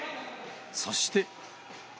そして。